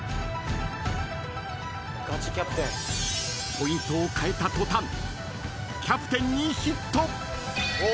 ［ポイントを変えた途端キャプテンにヒット］